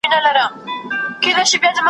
تاته رسیږي له خپله لاسه `